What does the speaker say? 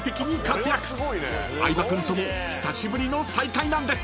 ［相葉君とも久しぶりの再会なんです］